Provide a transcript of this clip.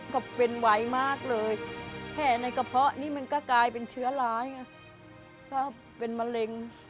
ก็เป็นไวมากเลยแผลในกระเพาะนี่มันก็กลายเป็นเชื้อร้ายไงก็เป็นมะเร็ง